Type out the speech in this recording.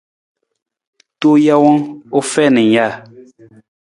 Tuu jawang u fiin ng ja.